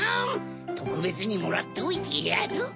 とくべつにもらっておいてやる！